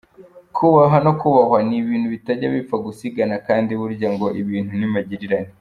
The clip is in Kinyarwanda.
Kubaha no kubahwa ni ibintu bitajya bipfa gusigana kandi burya ngo ibintu ni magirirane.